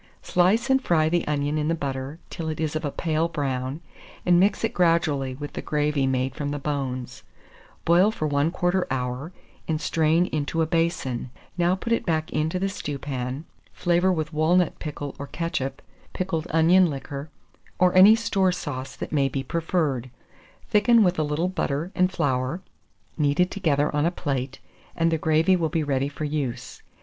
Slice and fry the onion in the butter till it is of a pale brown, and mix it gradually with the gravy made from the bones; boil for 1/4 hour, and strain into a basin; now put it back into the stewpan; flavour with walnut pickle or ketchup, pickled onion liquor, or any store sauce that may be preferred. Thicken with a little butter and flour, kneaded together on a plate, and the gravy will be ready for use.